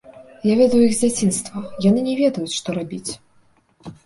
Я ведаю іх з дзяцінства, яны не ведаюць, што рабіць.